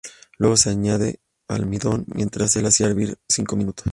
Luego, se añadía el almidón mientras se le hacía hervir cinco minutos.